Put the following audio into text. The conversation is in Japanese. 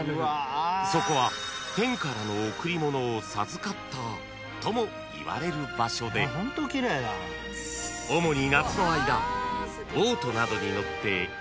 ［そこは天からの贈り物を授かったともいわれる場所で主に夏の間］